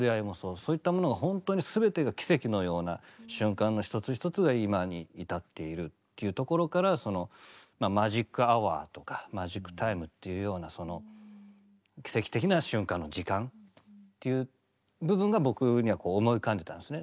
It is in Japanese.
そういったものがほんとに全てが奇跡のような瞬間の一つ一つが今に至っているというところからその「ＭａｇｉｃＨｏｕｒ」とか「ＭａｇｉｃＴｉｍｅ」というようなその奇跡的な瞬間の時間という部分が僕には思い浮かんでたんですね。